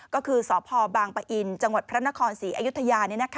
ก็คือสพบางปะอินจังหวัดพระนครศรีอยุธยา